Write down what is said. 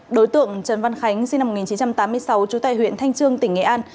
đối tượng trần văn khánh sinh năm một nghìn chín trăm tám mươi sáu trú tại huyện thanh trương tỉnh nghệ an